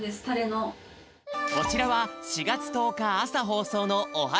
こちらは４がつ１０かあさほうそうの「オハ！